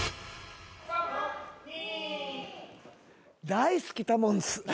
大好きタモンズ。